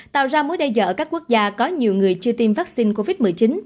tạo ra mối đe dọa ở các quốc gia có nhiều người chưa tiêm vaccine covid một mươi chín